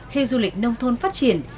khi du lịch nông thôn phát triển